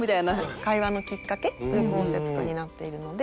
「会話のきっかけ」というコンセプトになっているので。